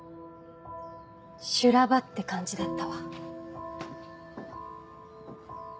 修羅場って感じだったわ。